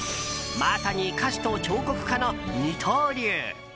まさに歌手と彫刻家の二刀流！